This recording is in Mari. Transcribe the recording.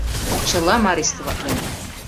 Чылам арестоватлем!